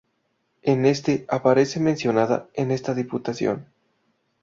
En este aparece mencionada esta diputación.